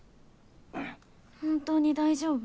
本当に大丈夫？